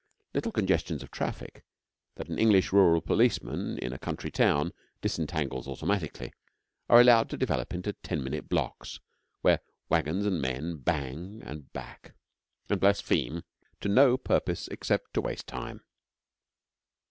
Little congestions of traffic, that an English rural policeman, in a country town, disentangles automatically, are allowed to develop into ten minute blocks, where wagons and men bang, and back, and blaspheme, for no purpose except to waste time.